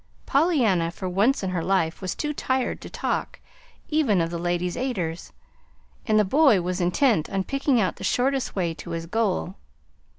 Pollyanna, for once in her life, was too tired to talk, even of the Ladies' Aiders; and the boy was intent on picking out the shortest way to his goal.